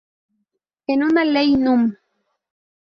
En la ley núm.